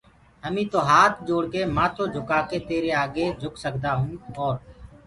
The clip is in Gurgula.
هميٚ تو هآت جوڙّڪي مآٿو جھڪآڪي تيري آگي جھڪ سگدآئو اور